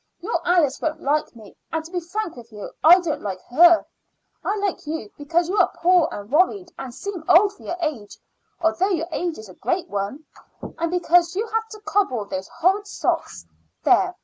Your Alice won't like me; and, to be frank with you, I don't like her. I like you, because you are poor and worried and seem old for your age although your age is a great one and because you have to cobble those horrid socks. There!